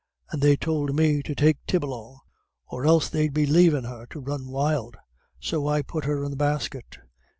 And they tould me to take Tib along, or else they'd be lavin' her to run wild; so I put her in the basket.